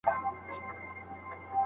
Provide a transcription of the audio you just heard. هغه خپل ځان وساتی او بريالی سو.